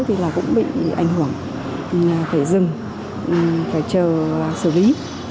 thì cũng bị ảnh hưởng phải dừng phải chờ xử lý